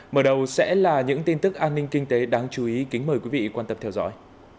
mở đầu sẽ là những tin tức an ninh kinh tế đáng chú ý kính mời quý vị quan tâm theo dõi